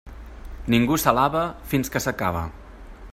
Ningú s'alabe fins que s'acabe.